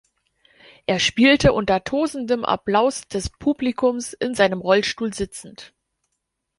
Er spielte unter tosendem Applaus des Publikums in seinem Rollstuhl sitzend.